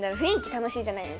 楽しいじゃないですか。